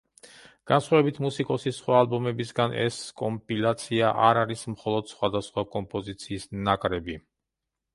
განსხვავებით მუსიკოსის სხვა ალბომებისგან, ეს კომპილაცია არ არის მხოლოდ სხვადასხვა კომპოზიის ნაკრები.